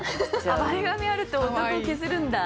前髪あると男受けするんだ。